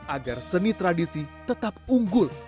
agar seni tradisi tetap unggul